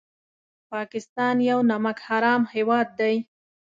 پاکستان یو نمک حرام هېواد دی